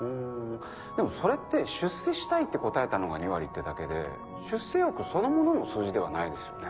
でもそれって出世したいって答えたのが２割ってだけで出世欲そのものの数字ではないですよね。